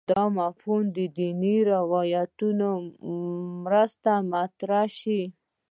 دا مفهوم دیني روایتونو مرسته مطرح شو